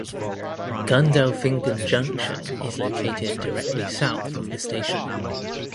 Gundelfingen junction is located directly south of the station.